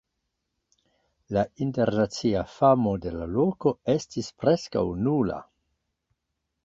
La internacia famo de la loko estis preskaŭ nula.